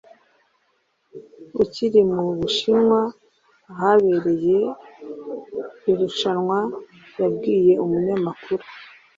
ukiri mu bushinwa ahabereye irushanwa yabwiye umunyamakuru